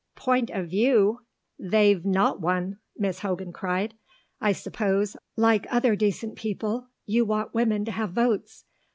"Point of view! They've not one," Miss Hogan cried. "I suppose, like other decent people, you want women to have votes!